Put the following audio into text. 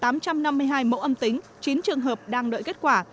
tám trăm năm mươi hai mẫu âm tính chín trường hợp đang đợi kết quả